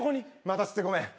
待たせてごめん。